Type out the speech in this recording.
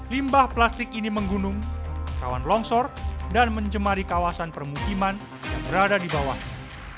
limbah plastik ini menggunung rawan longsor dan menjemari kawasan permukiman yang berada di bawahnya